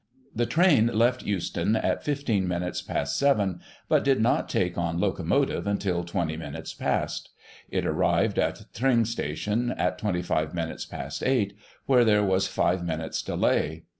"The train left Euston at 15 minutes past 7, but did not take on locomotive until 20 minutes past It arrived at Tring station at 25 minutes past 8, where there was five minutes* delay.